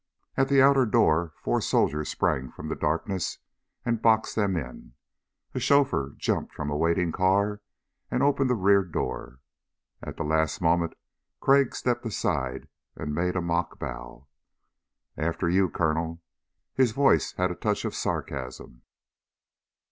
At the outer door four soldiers sprang from the darkness and boxed them in. A chauffeur jumped from a waiting car and opened the rear door. At the last moment Crag stepped aside and made a mock bow. "After you, Colonel." His voice held a touch of sarcasm.